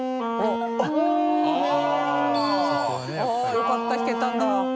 よかった吹けたんだ。）